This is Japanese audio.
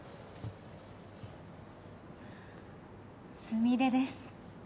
すみれです。